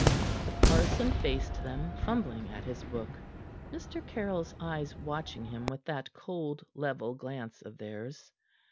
The parson faced them, fumbling at his book, Mr. Caryll's eyes watching him with that cold, level glance of theirs.